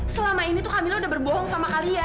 selama ini tuh kak mila udah berbohong sama kalian